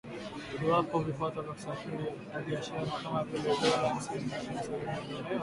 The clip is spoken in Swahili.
Iwapo vikwazo vya kusafiri kibiashara kama vile dola hamsini ya visa vimeondolewa.